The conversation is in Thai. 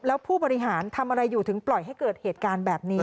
แล้วผู้บริหารทำอะไรอยู่ถึงปล่อยให้เกิดเหตุการณ์แบบนี้